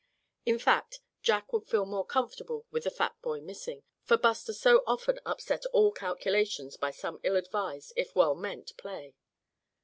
In fact, Jack would feel more comfortable with the fat boy missing, for Buster so often upset all calculations by some ill advised if well meant play.